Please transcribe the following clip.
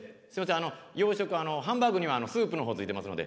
あの洋食あのハンバーグにはスープの方ついてますので。